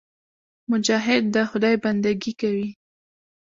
مجاهد د خدای بندګي کوي.